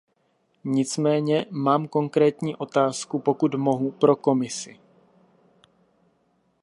Nicméně, mám konkrétní otázku, pokud mohu, pro Komisi.